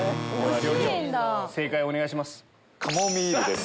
料理長正解をお願いします。